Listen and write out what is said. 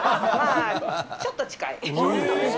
ちょっと近い。